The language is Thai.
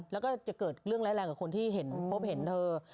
แล้วก็จะเกิดเรื่องร้ายแรงกับคนที่พบเห็นเธอ